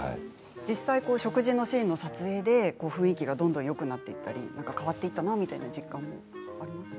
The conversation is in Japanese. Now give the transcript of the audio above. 実際、食事のシーンの撮影で雰囲気がどんどんよくなっていったり変わっていったなという実感はありますか。